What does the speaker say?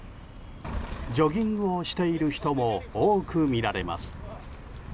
ジョギングをしている人も多く見られます。